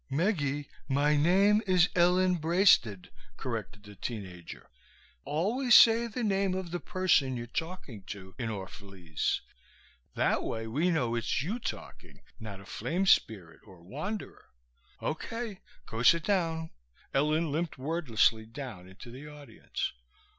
"'Meggie, my name is Ellen Braisted,'" corrected the teen ager. "Always say the name of the person you're talkin' to in Orph'lese, that way we know it's you talkin', not a flame spirit or wanderer. Okay, go sit down." Ellen limped wordlessly down into the audience.